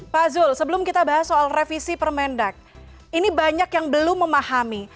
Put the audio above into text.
pak zul sebelum kita bahas soal revisi permendak ini banyak yang belum memahami